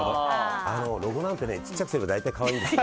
ロゴなんてね小さくすれば大体可愛いんですよ。